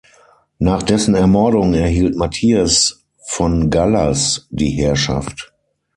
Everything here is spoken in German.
Nach dessen Ermordung erhielt Matthias von Gallas die Herrschaft.